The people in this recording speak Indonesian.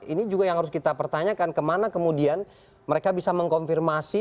ini juga yang harus kita pertanyakan kemana kemudian mereka bisa mengkonfirmasi